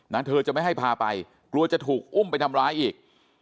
เธอจะไม่ให้พาไปกลัวจะถูกอุ้มไปทำร้ายอีก